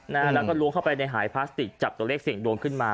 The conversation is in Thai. แล้วก็ล้วงเข้าไปในหายพลาสติกจับตัวเลขเสี่ยงดวงขึ้นมา